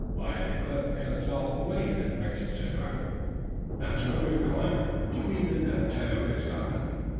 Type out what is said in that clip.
"Why, the cliff shuts off the way in that direction!" said Robert. "Not to a good climber." "Do you mean, then, that Tayoga is gone?"